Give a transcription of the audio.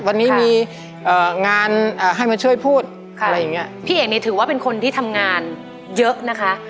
วันนี้มีงานให้มาช่วยพูดอะไรอย่างเงี้ยพี่เอกนี่ถือว่าเป็นคนที่ทำงานเยอะนะคะ